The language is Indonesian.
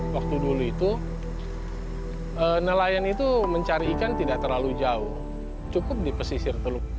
waktu dulu itu nelayan itu mencari ikan tidak terlalu jauh cukup di pesisir teluk